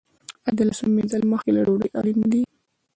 آیا د لاسونو مینځل مخکې له ډوډۍ اړین نه دي؟